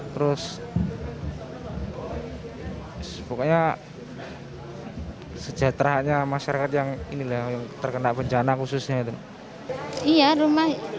terus pokoknya sejahteranya masyarakat yang terkena bencana khususnya itu